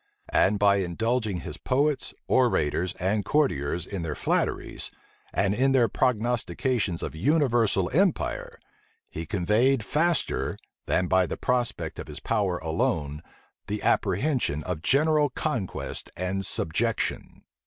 And by indulging his poets, orators, and courtiers in their flatteries, and in their prognostications of universal empire, he conveyed faster, than by the prospect of his power alone, the apprehension of general conquest and subjection.